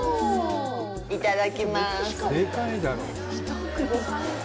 いただきます。